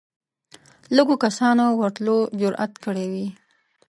لږو کسانو ورتلو جرئت کړی وي